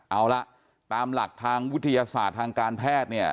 เอาล่ะตามหลักทางวิทยาศาสตร์ทางการแพทย์เนี่ย